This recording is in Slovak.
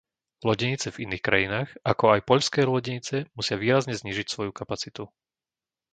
Lodenice v iných krajinách, ako aj poľské lodenice musia výrazne znížiť svoju kapacitu.